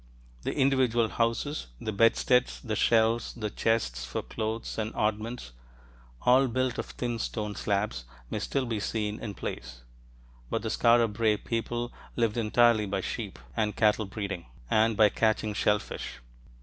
The individual houses, the bedsteads, the shelves, the chests for clothes and oddments all built of thin stone slabs may still be seen in place. But the Skara Brae people lived entirely by sheep and cattle breeding, and by catching shellfish.